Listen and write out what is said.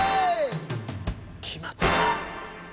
きまった。